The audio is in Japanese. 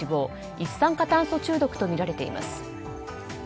一酸化炭素中毒とみられています。